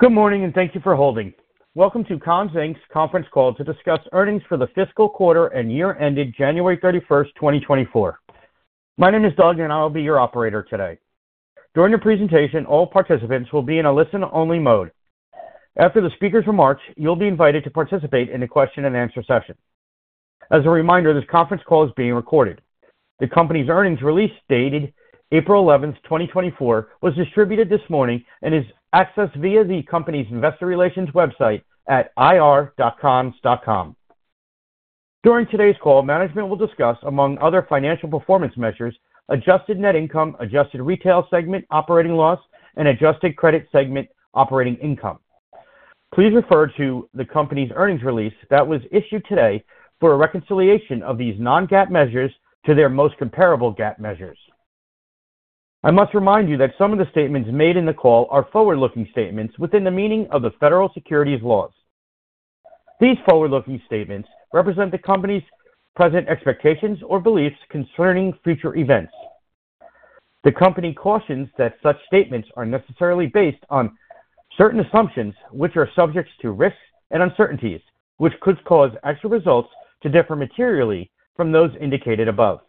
Good morning and thank you for holding. Welcome to Conn's, Inc.'s Conference Call to discuss earnings for the fiscal quarter and year ended January 31st, 2024. My name is Doug, and I will be your operator today. During the presentation, all participants will be in a listen-only mode. After the speaker's remarks, you'll be invited to participate in a question-and-answer session. As a reminder, this conference call is being recorded. The company's earnings release dated April 11th, 2024, was distributed this morning and is accessed via the company's investor relations website at ir.conns.com. During today's call, management will discuss, among other financial performance measures, adjusted net income, adjusted retail segment operating loss, and adjusted credit segment operating income. Please refer to the company's earnings release that was issued today for a reconciliation of these non-GAAP measures to their most comparable GAAP measures. I must remind you that some of the statements made in the call are forward-looking statements within the meaning of the federal securities laws. These forward-looking statements represent the company's present expectations or beliefs concerning future events. The company cautions that such statements are necessarily based on certain assumptions which are subject to risks and uncertainties, which could cause actual results to differ materially from those indicated above.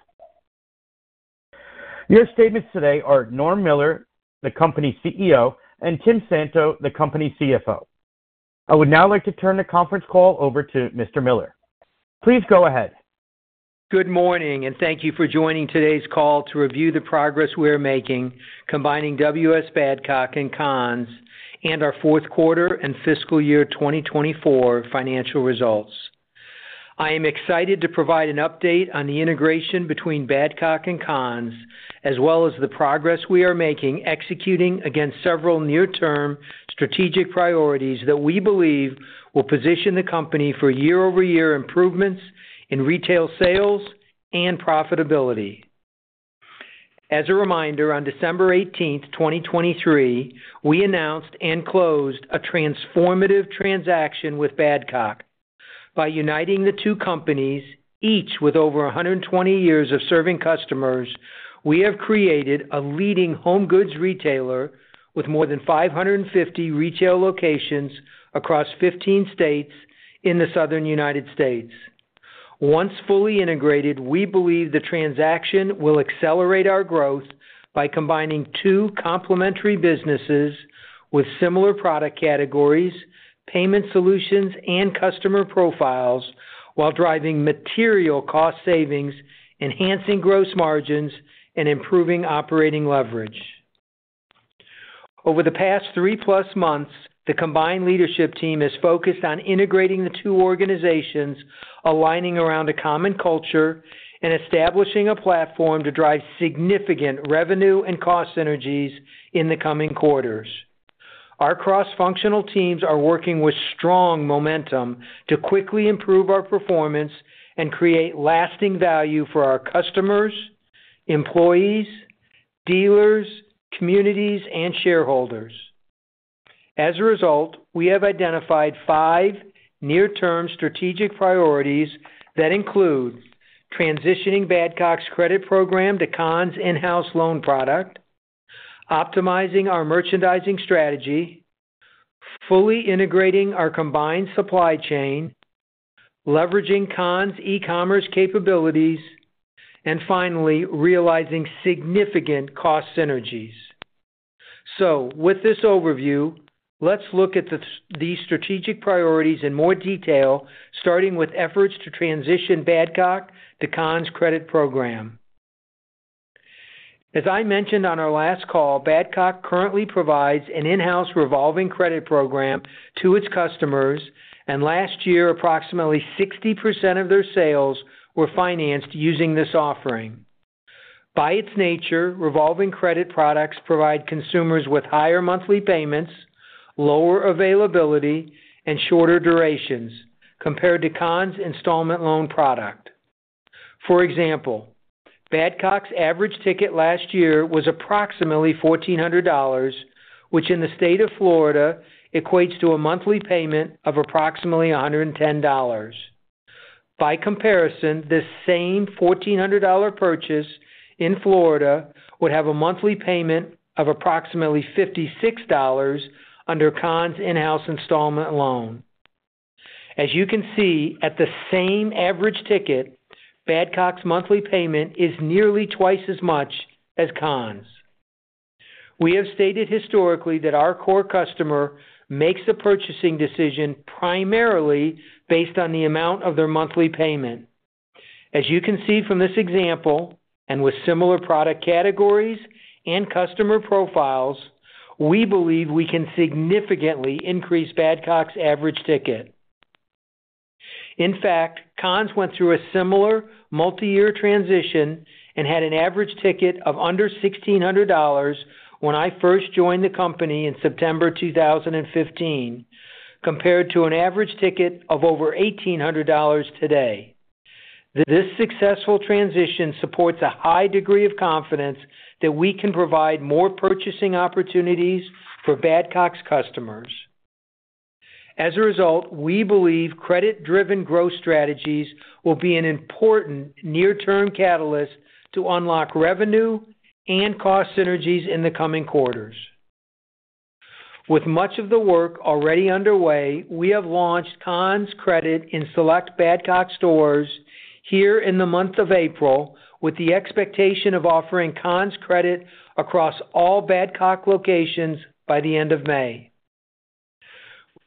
Your statements today are Norm Miller, the company's CEO, and Tim Santo, the company's CFO. I would now like to turn the conference call over to Mr. Miller. Please go ahead. Good morning, and thank you for joining today's call to review the progress we're making combining W.S. Badcock and Conn's and our Q4 and fiscal year 2024 financial results. I am excited to provide an update on the integration between Badcock and Conn's, as well as the progress we are making executing against several near-term strategic priorities that we believe will position the company for year-over-year improvements in retail sales and profitability. As a reminder, on December 18th, 2023, we announced and closed a transformative transaction with Badcock. By uniting the two companies, each with over 120 years of serving customers, we have created a leading home goods retailer with more than 550 retail locations across 15 states in the Southern United States. Once fully integrated, we believe the transaction will accelerate our growth by combining two complementary businesses with similar product categories, payment solutions, and customer profiles while driving material cost savings, enhancing gross margins, and improving operating leverage. Over the past three-plus months, the combined leadership team has focused on integrating the two organizations, aligning around a common culture, and establishing a platform to drive significant revenue and cost synergies in the coming quarters. Our cross-functional teams are working with strong momentum to quickly improve our performance and create lasting value for our customers, employees, dealers, communities, and shareholders. As a result, we have identified five near-term strategic priorities that include transitioning Badcock's credit program to Conn's in-house loan product, optimizing our merchandising strategy, fully integrating our combined supply chain, leveraging Conn's e-commerce capabilities, and finally realizing significant cost synergies. So, with this overview, let's look at these strategic priorities in more detail, starting with efforts to transition Badcock to Conn's credit program. As I mentioned on our last call, Badcock currently provides an in-house revolving credit program to its customers, and last year, approximately 60% of their sales were financed using this offering. By its nature, revolving credit products provide consumers with higher monthly payments, lower availability, and shorter durations compared to Conn's installment loan product. For example, Badcock's average ticket last year was approximately $1,400, which in the state of Florida equates to a monthly payment of approximately $110. By comparison, this same $1,400 purchase in Florida would have a monthly payment of approximately $56 under Conn's in-house installment loan. As you can see, at the same average ticket, Badcock's monthly payment is nearly twice as much as Conn's. We have stated historically that our core customer makes a purchasing decision primarily based on the amount of their monthly payment. As you can see from this example, and with similar product categories and customer profiles, we believe we can significantly increase Badcock's average ticket. In fact, Conn's went through a similar multi-year transition and had an average ticket of under $1,600 when I first joined the company in September 2015, compared to an average ticket of over $1,800 today. This successful transition supports a high degree of confidence that we can provide more purchasing opportunities for Badcock's customers. As a result, we believe credit-driven growth strategies will be an important near-term catalyst to unlock revenue and cost synergies in the coming quarters. With much of the work already underway, we have launched Conn's Credit in select Badcock stores here in the month of April, with the expectation of offering Conn's Credit across all Badcock locations by the end of May.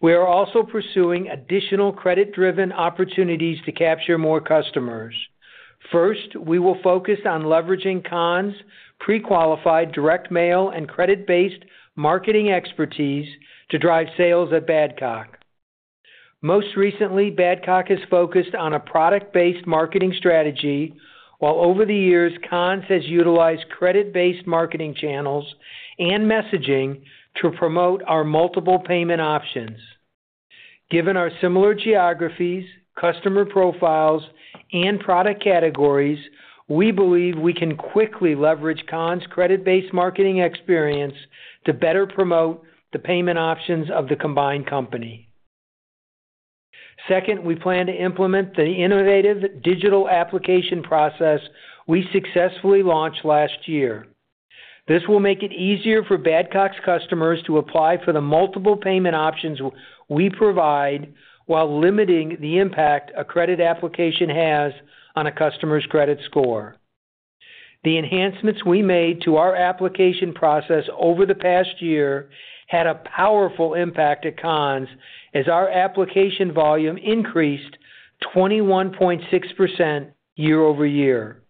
We are also pursuing additional credit-driven opportunities to capture more customers. First, we will focus on leveraging Conn's pre-qualified direct mail and credit-based marketing expertise to drive sales at Badcock. Most recently, Badcock has focused on a product-based marketing strategy, while over the years, Conn's has utilized credit-based marketing channels and messaging to promote our multiple payment options. Given our similar geographies, customer profiles, and product categories, we believe we can quickly leverage Conn's credit-based marketing experience to better promote the payment options of the combined company. Second, we plan to implement the innovative digital application process we successfully launched last year. This will make it easier for Badcock's customers to apply for the multiple payment options we provide while limiting the impact a credit application has on a customer's credit score. The enhancements we made to our application process over the past year had a powerful impact at Conn's, as our application volume increased 21.6% year-over-year.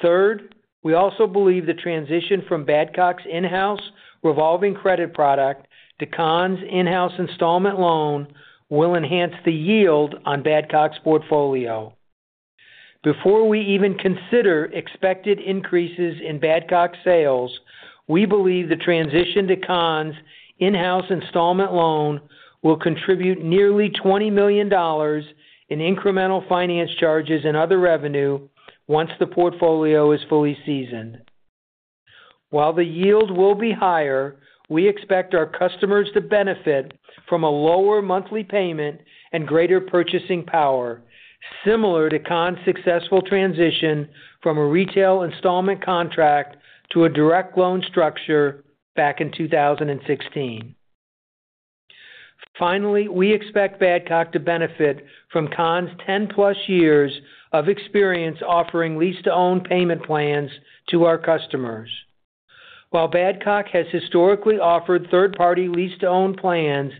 Third, we also believe the transition from Badcock's in-house revolving credit product to Conn's in-house installment loan will enhance the yield on Badcock's portfolio. Before we even consider expected increases in Badcock sales, we believe the transition to Conn's in-house installment loan will contribute nearly $20 million in incremental finance charges and other revenue once the portfolio is fully seasoned. While the yield will be higher, we expect our customers to benefit from a lower monthly payment and greater purchasing power, similar to Conn's successful transition from a retail installment contract to a direct loan structure back in 2016. Finally, we expect Badcock to benefit from Conn's 10+ years of experience offering lease-to-own payment plans to our customers. While Badcock has historically offered third-party lease-to-own plans,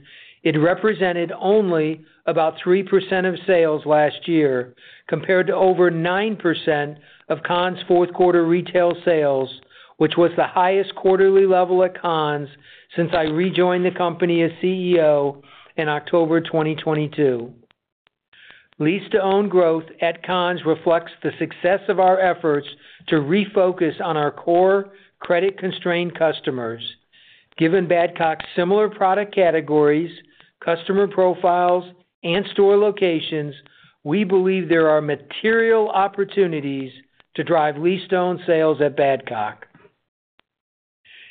it represented only about 3% of sales last year compared to over 9% of Conn's fourth-quarter retail sales, which was the highest quarterly level at Conn's since I rejoined the company as CEO in October 2022. Lease-to-own growth at Conn's reflects the success of our efforts to refocus on our core credit-constrained customers. Given Badcock's similar product categories, customer profiles, and store locations, we believe there are material opportunities to drive lease-to-own sales at Badcock.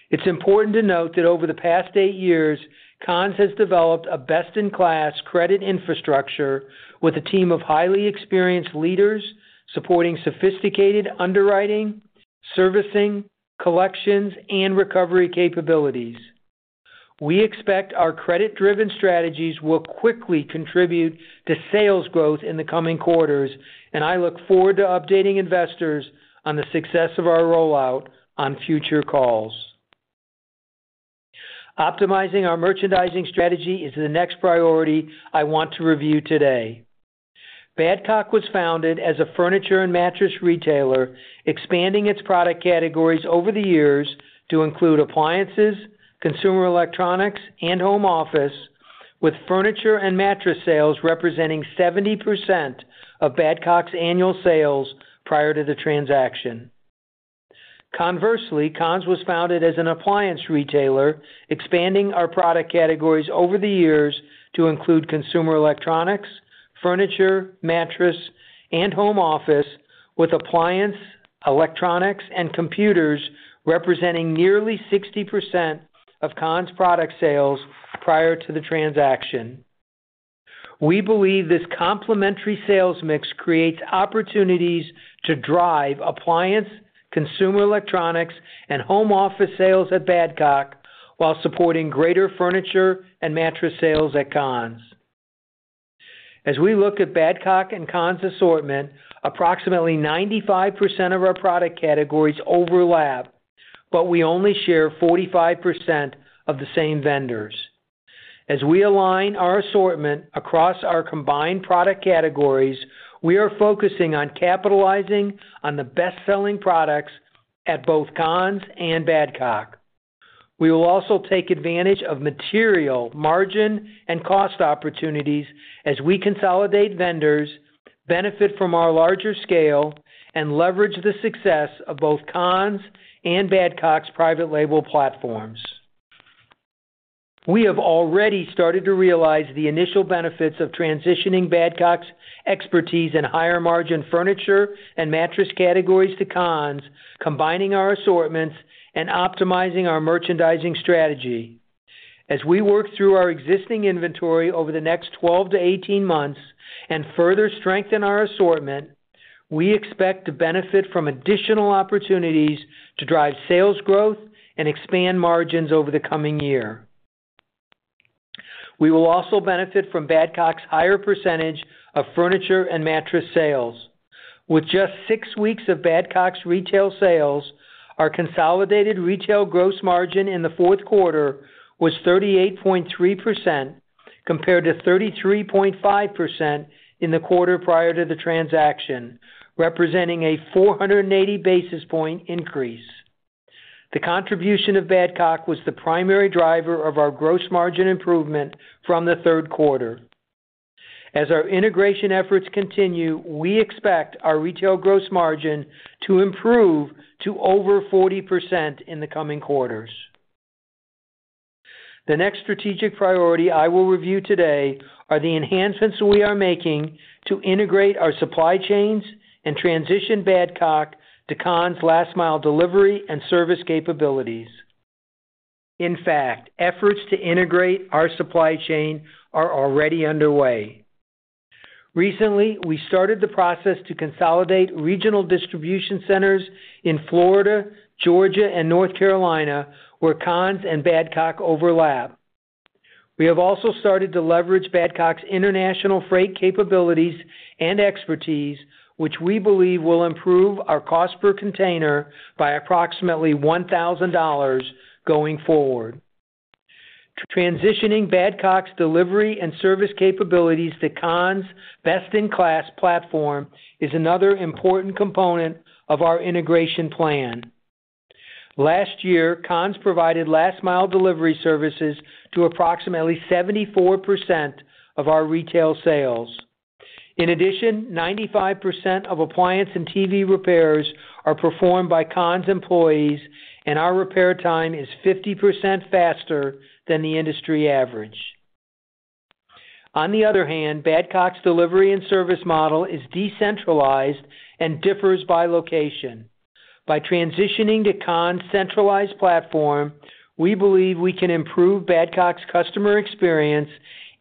It's important to note that over the past eight years, Conn's has developed a best-in-class credit infrastructure with a team of highly experienced leaders supporting sophisticated underwriting, servicing, collections, and recovery capabilities. We expect our credit-driven strategies will quickly contribute to sales growth in the coming quarters, and I look forward to updating investors on the success of our rollout on future calls. Optimizing our merchandising strategy is the next priority I want to review today. Badcock was founded as a furniture and mattress retailer, expanding its product categories over the years to include appliances, consumer electronics, and home office, with furniture and mattress sales representing 70% of Badcock's annual sales prior to the transaction. Conversely, Conn's was founded as an appliance retailer, expanding our product categories over the years to include consumer electronics, furniture, mattress, and home office, with appliance, electronics, and computers representing nearly 60% of Conn's product sales prior to the transaction. We believe this complementary sales mix creates opportunities to drive appliance, consumer electronics, and home office sales at Badcock while supporting greater furniture and mattress sales at Conn's. As we look at Badcock and Conn's assortment, approximately 95% of our product categories overlap, but we only share 45% of the same vendors. As we align our assortment across our combined product categories, we are focusing on capitalizing on the best-selling products at both Conn's and Badcock. We will also take advantage of material margin and cost opportunities as we consolidate vendors, benefit from our larger scale, and leverage the success of both Conn's and Badcock's private label platforms. We have already started to realize the initial benefits of transitioning Badcock's expertise in higher-margin furniture and mattress categories to Conn's, combining our assortments and optimizing our merchandising strategy. As we work through our existing inventory over the next 12-18 months and further strengthen our assortment, we expect to benefit from additional opportunities to drive sales growth and expand margins over the coming year. We will also benefit from Badcock's higher percentage of furniture and mattress sales. With just 6 weeks of Badcock's retail sales, our consolidated retail gross margin in the Q4 was 38.3% compared to 33.5% in the quarter prior to the transaction, representing a 480 basis point increase. The contribution of Badcock was the primary driver of our gross margin improvement from the Q3. As our integration efforts continue, we expect our retail gross margin to improve to over 40% in the coming quarters. The next strategic priority I will review today are the enhancements we are making to integrate our supply chains and transition Badcock to Conn's last-mile delivery and service capabilities. In fact, efforts to integrate our supply chain are already underway. Recently, we started the process to consolidate regional distribution centers in Florida, Georgia, and North Carolina where Conn's and Badcock overlap. We have also started to leverage Badcock's international freight capabilities and expertise, which we believe will improve our cost per container by approximately $1,000 going forward. Transitioning Badcock's delivery and service capabilities to Conn's best-in-class platform is another important component of our integration plan. Last year, Conn's provided last-mile delivery services to approximately 74% of our retail sales. In addition, 95% of appliance and TV repairs are performed by Conn's employees, and our repair time is 50% faster than the industry average. On the other hand, Badcock's delivery and service model is decentralized and differs by location. By transitioning to Conn's centralized platform, we believe we can improve Badcock's customer experience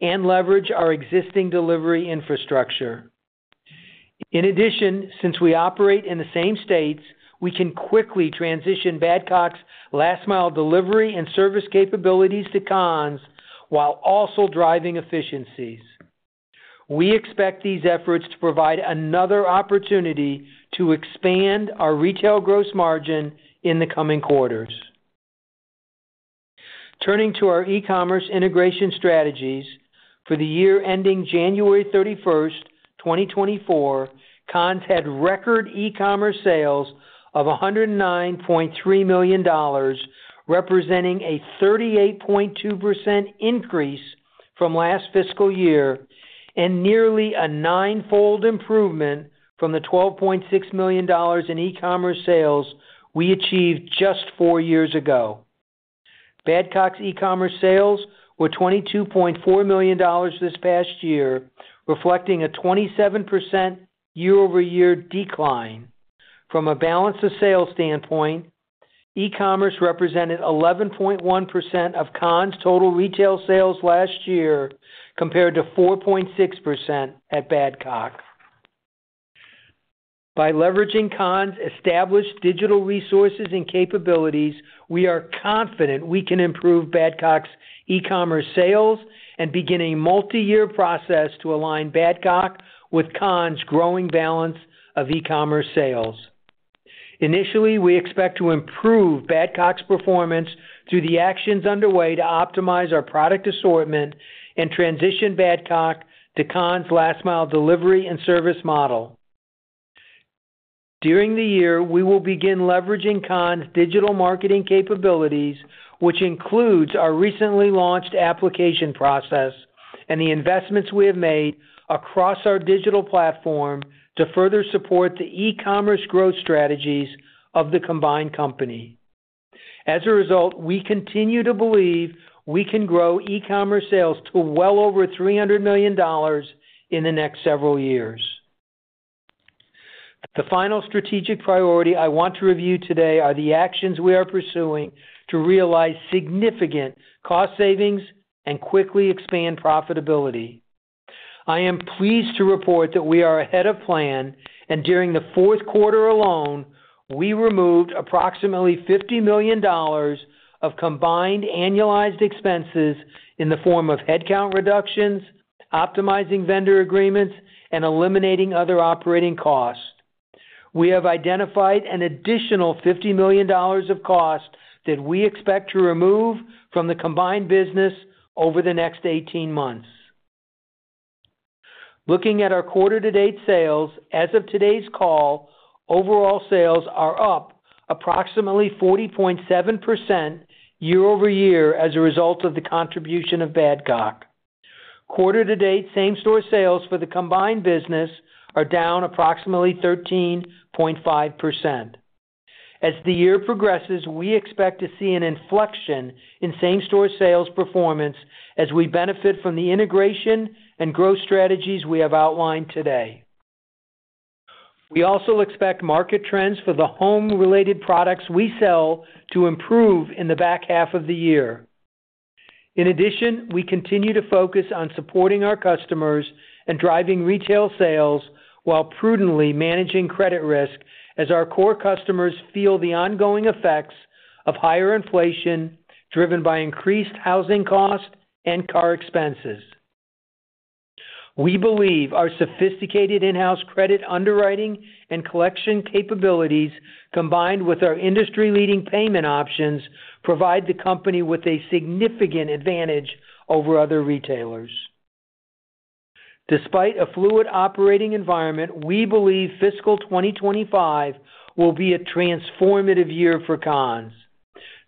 and leverage our existing delivery infrastructure. In addition, since we operate in the same states, we can quickly transition Badcock's last-mile delivery and service capabilities to Conn's while also driving efficiencies. We expect these efforts to provide another opportunity to expand our retail gross margin in the coming quarters. Turning to our e-commerce integration strategies, for the year ending January 31st, 2024, Conn's had record e-commerce sales of $109.3 million, representing a 38.2% increase from last fiscal year and nearly a nine-fold improvement from the $12.6 million in e-commerce sales we achieved just four years ago. Badcock's e-commerce sales were $22.4 million this past year, reflecting a 27% year-over-year decline. From a balance of sales standpoint, e-commerce represented 11.1% of Conn's total retail sales last year compared to 4.6% at Badcock. By leveraging Conn's established digital resources and capabilities, we are confident we can improve Badcock's e-commerce sales and begin a multi-year process to align Badcock with Conn's growing balance of e-commerce sales. Initially, we expect to improve Badcock's performance through the actions underway to optimize our product assortment and transition Badcock to Conn's last-mile delivery and service model. During the year, we will begin leveraging Conn's digital marketing capabilities, which includes our recently launched application process and the investments we have made across our digital platform to further support the e-commerce growth strategies of the combined company. As a result, we continue to believe we can grow e-commerce sales to well over $300 million in the next several years. The final strategic priority I want to review today are the actions we are pursuing to realize significant cost savings and quickly expand profitability. I am pleased to report that we are ahead of plan, and during the Q4 alone, we removed approximately $50 million of combined annualized expenses in the form of headcount reductions, optimizing vendor agreements, and eliminating other operating costs. We have identified an additional $50 million of cost that we expect to remove from the combined business over the next 18 months. Looking at our quarter-to-date sales as of today's call, overall sales are up approximately 40.7% year-over-year as a result of the contribution of Badcock. Quarter-to-date same-store sales for the combined business are down approximately 13.5%. As the year progresses, we expect to see an inflection in same-store sales performance as we benefit from the integration and growth strategies we have outlined today. We also expect market trends for the home-related products we sell to improve in the back half of the year. In addition, we continue to focus on supporting our customers and driving retail sales while prudently managing credit risk as our core customers feel the ongoing effects of higher inflation driven by increased housing costs and car expenses. We believe our sophisticated in-house credit underwriting and collection capabilities, combined with our industry-leading payment options, provide the company with a significant advantage over other retailers. Despite a fluid operating environment, we believe fiscal 2025 will be a transformative year for Conn's.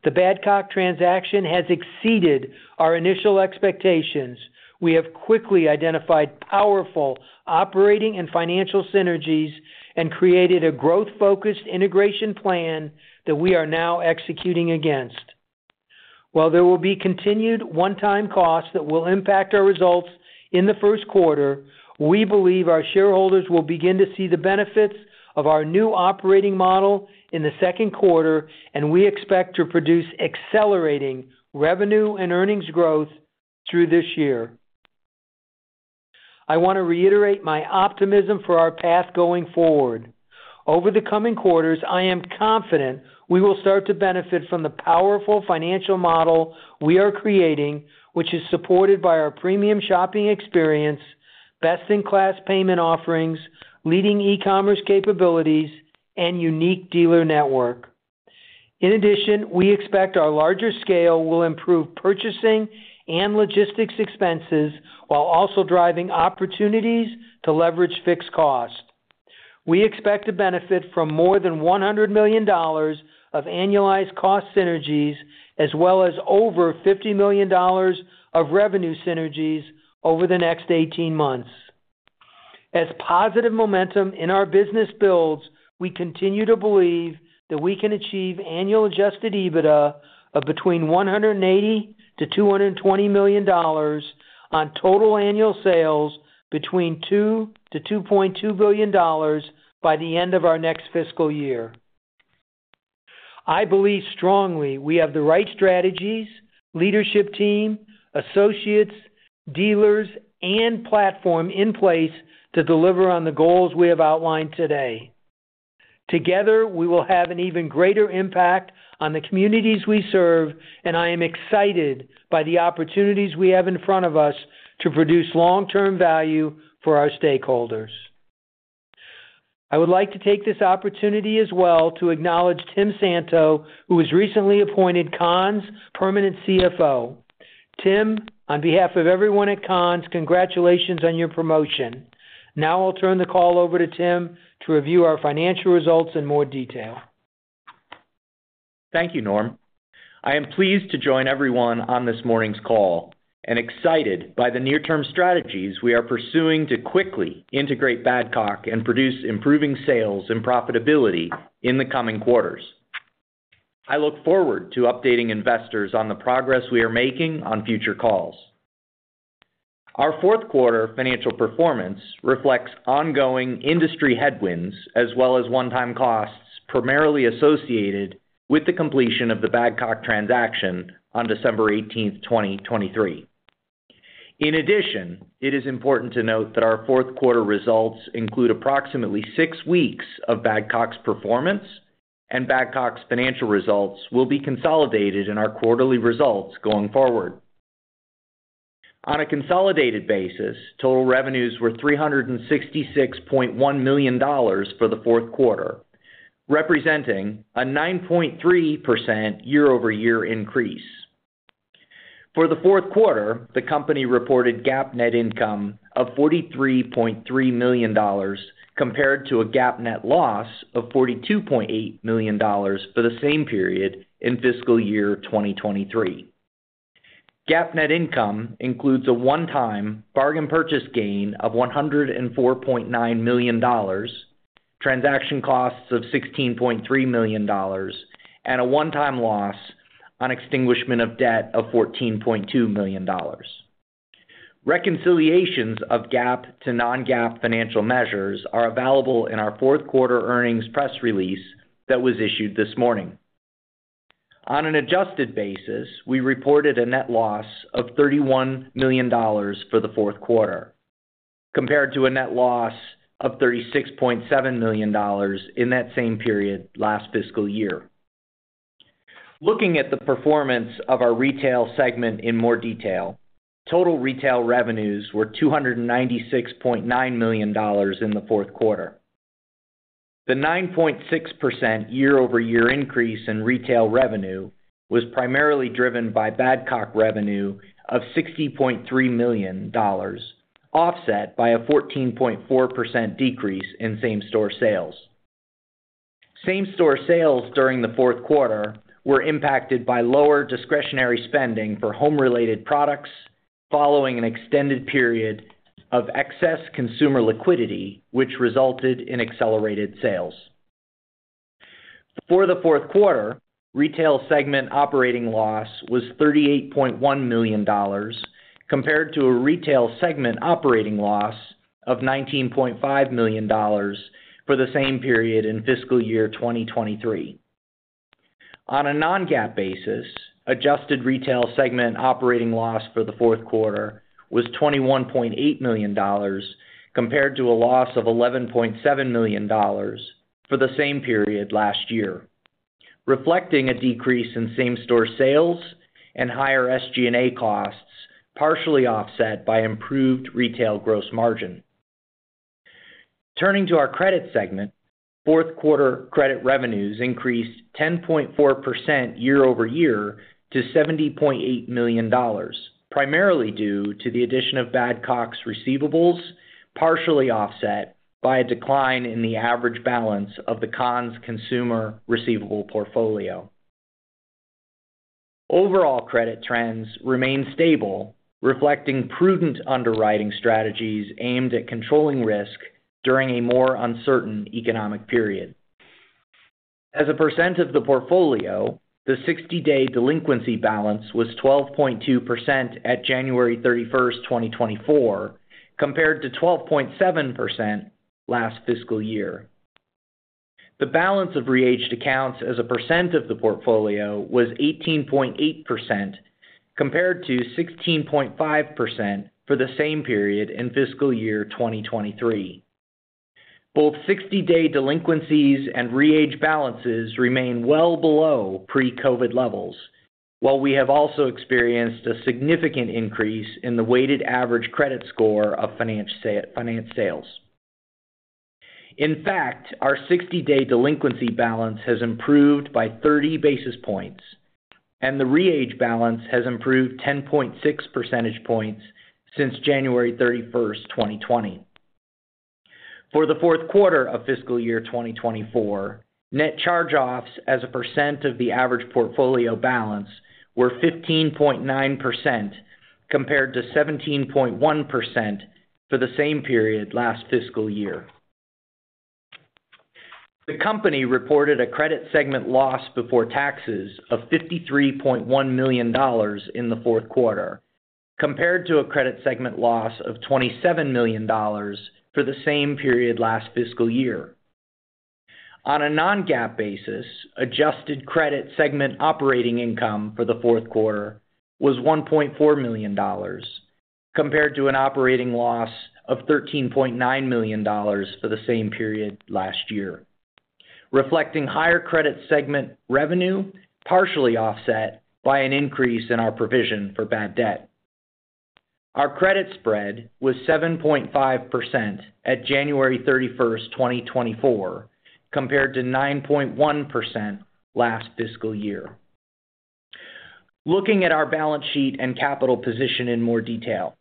The Badcock transaction has exceeded our initial expectations. We have quickly identified powerful operating and financial synergies and created a growth-focused integration plan that we are now executing against. While there will be continued one-time costs that will impact our results in the Q1, we believe our shareholders will begin to see the benefits of our new operating model in the Q2, and we expect to produce accelerating revenue and earnings growth through this year. I want to reiterate my optimism for our path going forward. Over the coming quarters, I am confident we will start to benefit from the powerful financial model we are creating, which is supported by our premium shopping experience, best-in-class payment offerings, leading e-commerce capabilities, and unique dealer network. In addition, we expect our larger scale will improve purchasing and logistics expenses while also driving opportunities to leverage fixed costs. We expect to benefit from more than $100 million of annualized cost synergies as well as over $50 million of revenue synergies over the next 18 months. As positive momentum in our business builds, we continue to believe that we can achieve annual adjusted EBITDA of between $180 million-$220 million on total annual sales between $2 billion-$2.2 billion by the end of our next fiscal year. I believe strongly we have the right strategies, leadership team, associates, dealers, and platform in place to deliver on the goals we have outlined today. Together, we will have an even greater impact on the communities we serve, and I am excited by the opportunities we have in front of us to produce long-term value for our stakeholders. I would like to take this opportunity as well to acknowledge Tim Santo, who was recently appointed Conn's permanent CFO. Tim, on behalf of everyone at Conn's, congratulations on your promotion. Now I'll turn the call over to Tim to review our financial results in more detail. Thank you, Norm. I am pleased to join everyone on this morning's call and excited by the near-term strategies we are pursuing to quickly integrate Badcock and produce improving sales and profitability in the coming quarters. I look forward to updating investors on the progress we are making on future calls. Our Q4 financial performance reflects ongoing industry headwinds as well as one-time costs primarily associated with the completion of the Badcock transaction on December 18th, 2023. In addition, it is important to note that our Q4 results include approximately six weeks of Badcock's performance, and Badcock's financial results will be consolidated in our quarterly results going forward. On a consolidated basis, total revenues were $366.1 million for the Q4, representing a 9.3% year-over-year increase. For the Q4, the company reported GAAP net income of $43.3 million compared to a GAAP net loss of $42.8 million for the same period in fiscal year 2023. GAAP net income includes a one-time bargain purchase gain of $104.9 million, transaction costs of $16.3 million, and a one-time loss on extinguishment of debt of $14.2 million. Reconciliations of GAAP to non-GAAP financial measures are available in our Q4 earnings press release that was issued this morning. On an adjusted basis, we reported a net loss of $31 million for the Q4 compared to a net loss of $36.7 million in that same period last fiscal year. Looking at the performance of our retail segment in more detail, total retail revenues were $296.9 million in the Q4. The 9.6% year-over-year increase in retail revenue was primarily driven by Badcock revenue of $60.3 million, offset by a 14.4% decrease in same-store sales. Same-store sales during the Q4 were impacted by lower discretionary spending for home-related products following an extended period of excess consumer liquidity, which resulted in accelerated sales. For the Q4, retail segment operating loss was $38.1 million compared to a retail segment operating loss of $19.5 million for the same period in fiscal year 2023. On a non-GAAP basis, adjusted retail segment operating loss for the Q4 was $21.8 million compared to a loss of $11.7 million for the same period last year, reflecting a decrease in same-store sales and higher SG&A costs partially offset by improved retail gross margin. Turning to our credit segment, Q4 credit revenues increased 10.4% year-over-year to $70.8 million, primarily due to the addition of Badcock's receivables, partially offset by a decline in the average balance of the Conn's consumer receivable portfolio. Overall credit trends remain stable, reflecting prudent underwriting strategies aimed at controlling risk during a more uncertain economic period. As a percent of the portfolio, the 60-day delinquency balance was 12.2% at January 31st, 2024, compared to 12.7% last fiscal year. The balance of re-aged accounts as a percent of the portfolio was 18.8% compared to 16.5% for the same period in fiscal year 2023. Both 60-day delinquencies and re-age balances remain well below pre-COVID levels, while we have also experienced a significant increase in the weighted average credit score of finance sales. In fact, our 60-day delinquency balance has improved by 30 basis points, and the re-age balance has improved 10.6 percentage points since January 31st, 2020. For the Q4 of fiscal year 2024, net charge-offs as a percent of the average portfolio balance were 15.9% compared to 17.1% for the same period last fiscal year. The company reported a credit segment loss before taxes of $53.1 million in the Q4 compared to a credit segment loss of $27 million for the same period last fiscal year. On a non-GAAP basis, adjusted credit segment operating income for the Q4 was $1.4 million compared to an operating loss of $13.9 million for the same period last year, reflecting higher credit segment revenue partially offset by an increase in our provision for bad debt. Our credit spread was 7.5% at January 31st, 2024, compared to 9.1% last fiscal year. Looking at our balance sheet and capital position in more detail,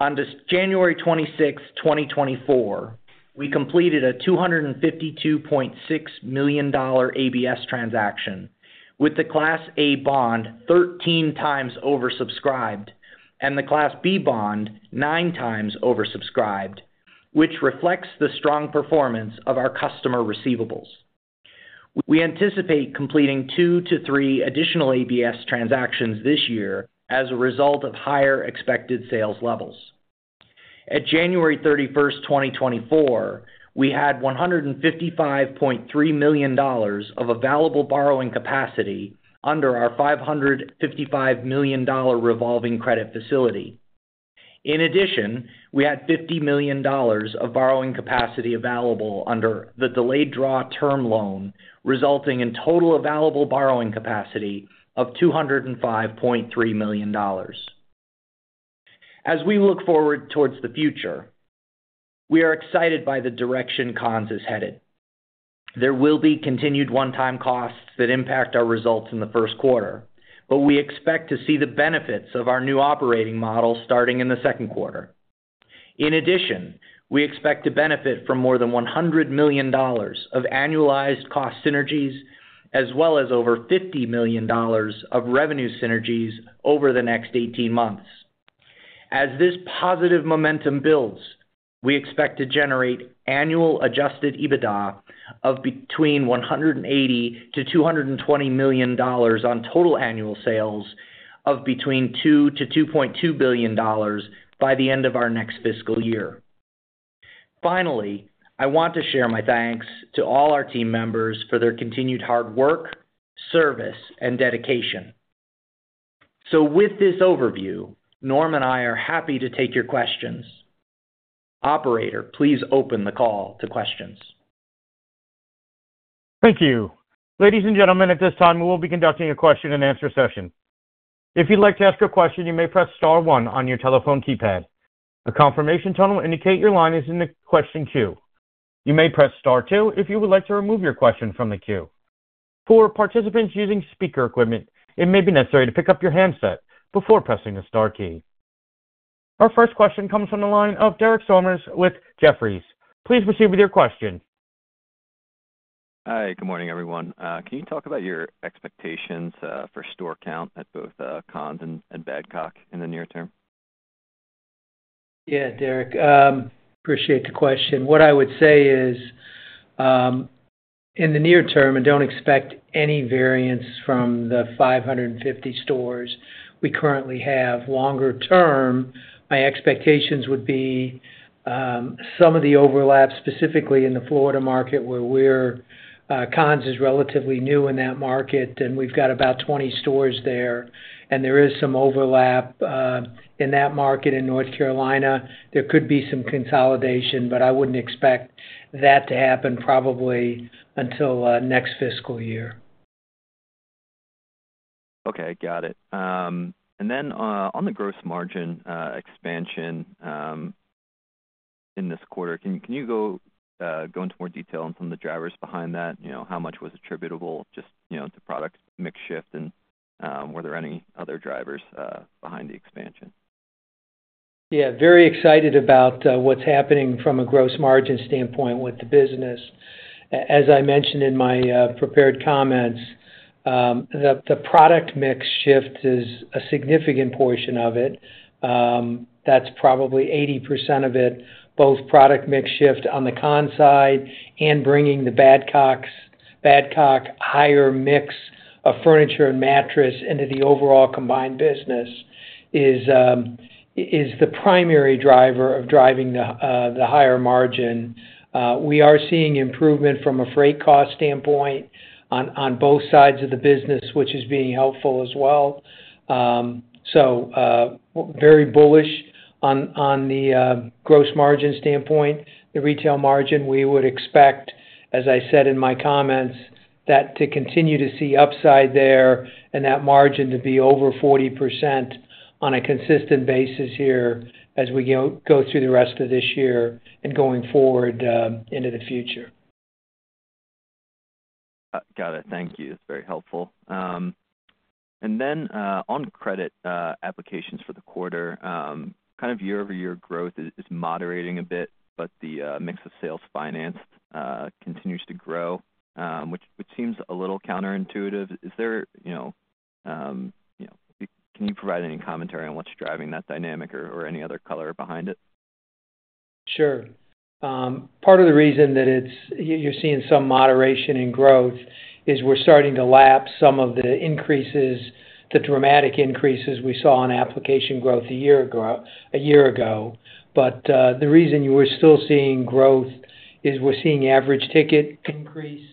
on January 26th, 2024, we completed a $252.6 million ABS transaction with the Class A bond 13 times oversubscribed and the Class B bond 9 times oversubscribed, which reflects the strong performance of our customer receivables. We anticipate completing two to three additional ABS transactions this year as a result of higher expected sales levels. At January 31st, 2024, we had $155.3 million of available borrowing capacity under our $555 million revolving credit facility. In addition, we had $50 million of borrowing capacity available under the delayed draw term loan, resulting in total available borrowing capacity of $205.3 million. As we look forward toward the future, we are excited by the direction Conn's is headed. There will be continued one-time costs that impact our results in the Q4, but we expect to see the benefits of our new operating model starting in the Q2. In addition, we expect to benefit from more than $100 million of annualized cost synergies as well as over $50 million of revenue synergies over the next 18 months. As this positive momentum builds, we expect to generate annual Adjusted EBITDA of between $180-$220 million on total annual sales of between $2 billion-$2.2 billion by the end of our next fiscal year. Finally, I want to share my thanks to all our team members for their continued hard work, service, and dedication. So with this overview, Norm and I are happy to take your questions. Operator, please open the call to questions. Thank you. Ladies and gentlemen, at this time, we will be conducting a question-and-answer session. If you'd like to ask a question, you may press star one on your telephone keypad. The confirmation tone will indicate your line is in the question queue. You may press star two if you would like to remove your question from the queue. For participants using speaker equipment, it may be necessary to pick up your handset before pressing the star key. Our first question comes from the line of Derek Sommers with Jefferies. Please proceed with your question. Hi. Good morning, everyone. Can you talk about your expectations for store count at both Conn's and Badcock in the near term? Yeah, Derek. Appreciate the question. What I would say is, in the near term, and don't expect any variance from the 550 stores we currently have, longer term, my expectations would be some of the overlap, specifically in the Florida market where Conn's is relatively new in that market, and we've got about 20 stores there, and there is some overlap in that market in North Carolina. There could be some consolidation, but I wouldn't expect that to happen probably until next fiscal year. Okay. Got it. And then on the gross margin expansion in this quarter, can you go into more detail on some of the drivers behind that? How much was attributable just to product mix shift, and were there any other drivers behind the expansion? Yeah. Very excited about what's happening from a gross margin standpoint with the business. As I mentioned in my prepared comments, the product mix shift is a significant portion of it. That's probably 80% of it. Both product mix shift on the Conn's side and bringing the Badcock higher mix of furniture and mattress into the overall combined business is the primary driver of driving the higher margin. We are seeing improvement from a freight cost standpoint on both sides of the business, which is being helpful as well. So very bullish on the gross margin standpoint. The retail margin, we would expect, as I said in my comments, to continue to see upside there and that margin to be over 40% on a consistent basis here as we go through the rest of this year and going forward into the future. Got it. Thank you. That's very helpful. Then on credit applications for the quarter, kind of year-over-year growth is moderating a bit, but the mix of sales financed continues to grow, which seems a little counterintuitive. Can you provide any commentary on what's driving that dynamic or any other color behind it? Sure. Part of the reason that you're seeing some moderation in growth is we're starting to lapse some of the increases, the dramatic increases we saw in application growth a year ago. But the reason we're still seeing growth is we're seeing average ticket increase,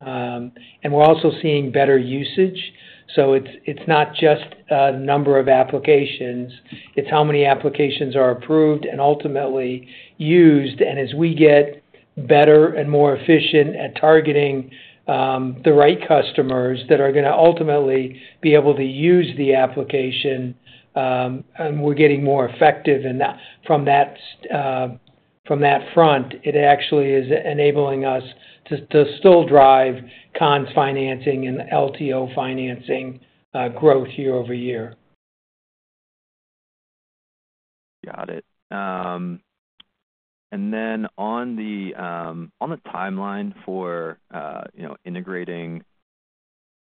and we're also seeing better usage. So it's not just the number of applications. It's how many applications are approved and ultimately used. As we get better and more efficient at targeting the right customers that are going to ultimately be able to use the application, and we're getting more effective from that front, it actually is enabling us to still drive Conn's financing and LTO financing growth year-over-year. Got it. And then on the timeline for integrating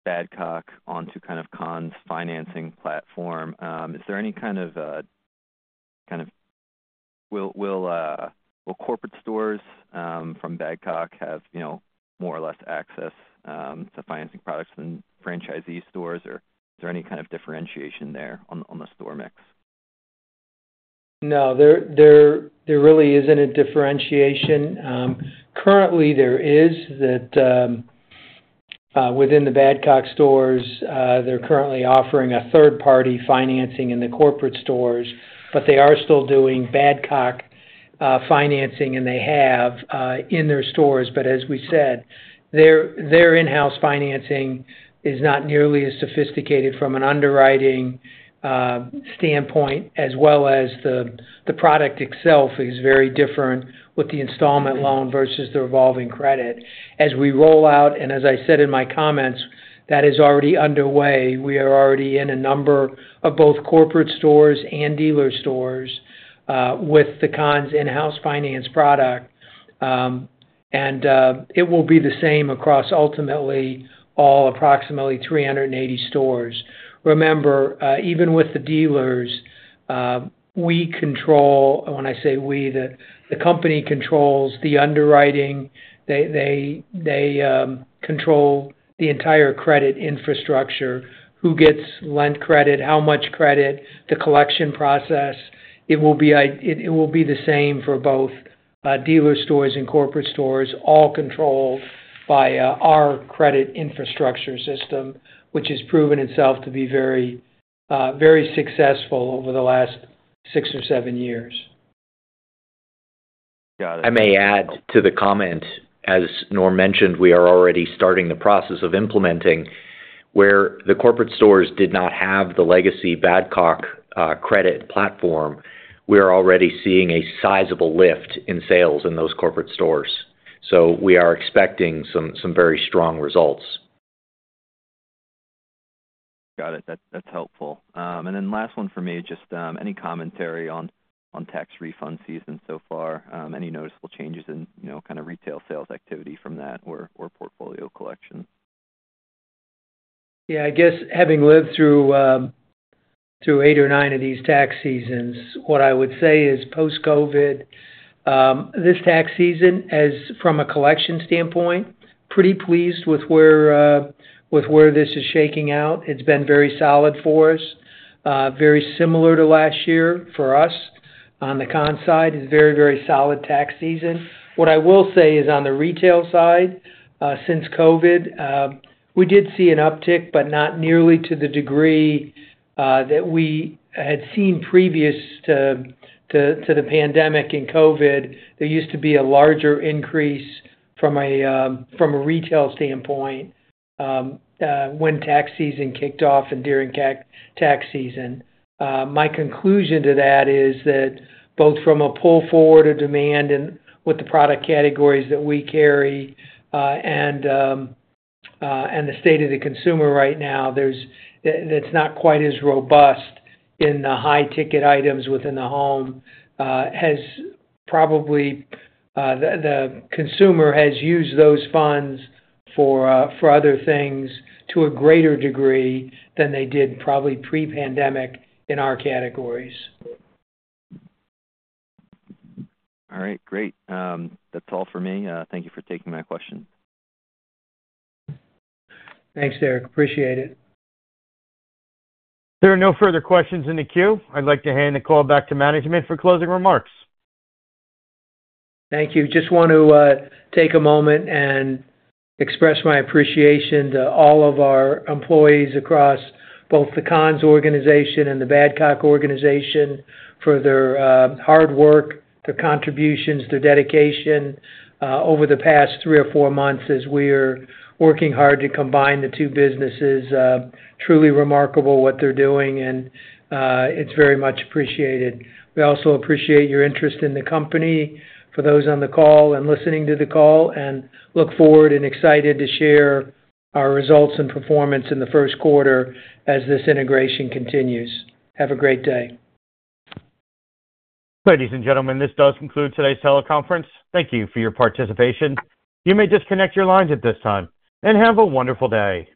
Badcock onto kind of Conn's financing platform, is there any kind of will corporate stores from Badcock have more or less access to financing products than franchisee stores, or is there any kind of differentiation there on the store mix? No. There really isn't a differentiation. Currently, there is that within the Badcock stores, they're currently offering a third-party financing in the corporate stores, but they are still doing Badcock financing, and they have in their stores. But as we said, their in-house financing is not nearly as sophisticated from an underwriting standpoint, as well as the product itself is very different with the installment loan versus the revolving credit. As we roll out, and as I said in my comments, that is already underway. We are already in a number of both corporate stores and dealer stores with the Conn's in-house finance product, and it will be the same across ultimately all approximately 380 stores. Remember, even with the dealers, we control when I say we, the company controls the underwriting. They control the entire credit infrastructure, who gets lent credit, how much credit, the collection process. It will be the same for both dealer stores and corporate stores, all controlled by our credit infrastructure system, which has proven itself to be very successful over the last six or seven years. Got it. I may add to the comment, as Norm mentioned, we are already starting the process of implementing. Where the corporate stores did not have the legacy Badcock credit platform, we are already seeing a sizable lift in sales in those corporate stores. So we are expecting some very strong results. Got it. That's helpful. And then last one for me, just any commentary on tax refund season so far, any noticeable changes in kind of retail sales activity from that or portfolio collection? Yeah. I guess having lived through eight or nine of these tax seasons, what I would say is post-COVID, this tax season, from a collection standpoint, pretty pleased with where this is shaking out. It's been very solid for us, very similar to last year for us. On the Conn's side, it's a very, very solid tax season. What I will say is on the retail side, since COVID, we did see an uptick, but not nearly to the degree that we had seen previous to the pandemic and COVID. There used to be a larger increase from a retail standpoint when tax season kicked off and during tax season. My conclusion to that is that both from a pull forward of demand and with the product categories that we carry and the state of the consumer right now, that's not quite as robust in the high-ticket items within the home. Probably the consumer has used those funds for other things to a greater degree than they did probably pre-pandemic in our categories. All right. Great. That's all for me. Thank you for taking my question. Thanks, Derek. Appreciate it. There are no further questions in the queue. I'd like to hand the call back to management for closing remarks. Thank you. Just want to take a moment and express my appreciation to all of our employees across both the Conn's organization and the Badcock organization for their hard work, their contributions, their dedication over the past three or four months as we are working hard to combine the two businesses. Truly remarkable what they're doing, and it's very much appreciated. We also appreciate your interest in the company for those on the call and listening to the call and look forward and excited to share our results and performance in the Q4 as this integration continues. Have a great day. Ladies and gentlemen, this does conclude today's teleconference. Thank you for your participation. You may disconnect your lines at this time. Have a wonderful day.